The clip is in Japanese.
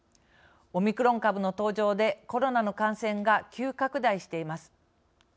オミクロン株の登場でコロナの感染が急拡大しています。